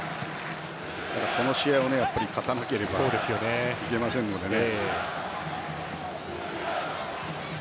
この試合を勝たなければいけませんのでね。